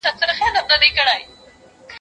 بخت به کله خلاصه غېږه په خندا سي